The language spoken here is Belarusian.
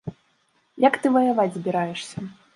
Як ты ваяваць збіраешся?!